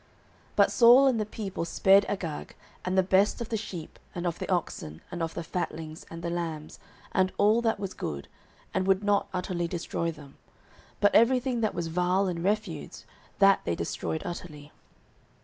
09:015:009 But Saul and the people spared Agag, and the best of the sheep, and of the oxen, and of the fatlings, and the lambs, and all that was good, and would not utterly destroy them: but every thing that was vile and refuse, that they destroyed utterly.